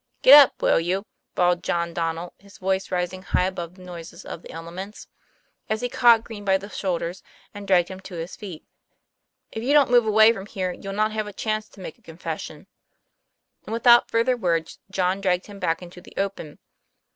" G^t up, will you?" bawled John Donnel, his voice rising high above the noises of the elements, as he caught Green by the shoulders, and dragged him to his feet. " If you don't move away from here, you'll not have a chance to make a confession." And without further words, John dragged him back into the open.